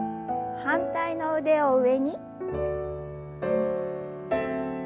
反対の腕を上に。